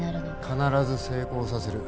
必ず成功させる。